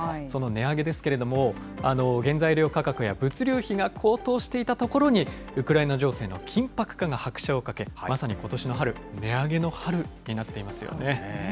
その値上げですけれども、原材料価格や物流費が高騰していたところに、ウクライナ情勢の緊迫化が拍車をかけ、まさにことしの春、値上げの春になっていますよね。